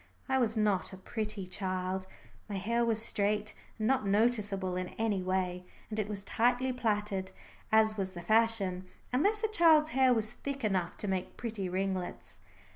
I was not a pretty child. My hair was straight and not noticeable in any way, and it was tightly plaited, as was the fashion, unless a child's hair was thick enough to make pretty ringlets.